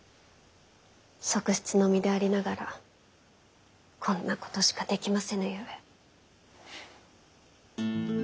側室の身でありながらこんなことしかできませぬゆえ。